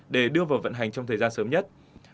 để đưa vào vận hành trong thời gian sớm nhất